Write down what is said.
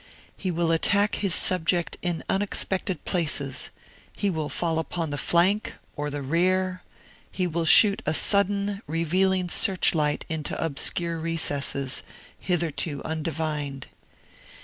He will attack his subject in unexpected places; he will fall upon the flank, or the rear; he will shoot a sudden, revealing searchlight into obscure recesses, hitherto undivined.